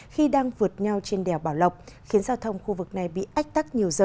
khi đang vượt nhau trên đèo bảo lộc khiến giao thông khu vực này bị ách tắc nhiều giờ